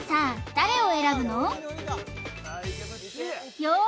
誰を選ぶの？